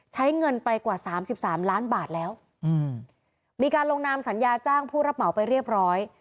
ใช้เงินไปกว่าสามสิบสามล้านบาทแล้วอืมมีการลงนามสัญญาจ้างผู้รับเหมาไปเรียบร้อย